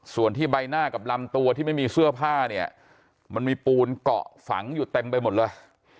ส่วนที่ใบหน้ากับลำตัวที่ไม่มีเสื้อผ้าเนี่ยมันมีปูนเกาะฝังอยู่เต็มไปหมดเลย